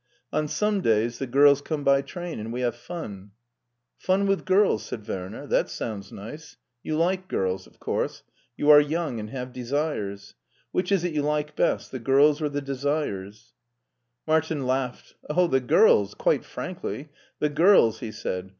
On some days the girls come by train and we have fun." " Fun with girls," said Werner ;" that sounds nice. You like girls, of course. You are young, and have desires. Which is it you like best— the girls or the desires ?"^ Martin laughed. "Oh, the girls; quite frankly, the girls," he said.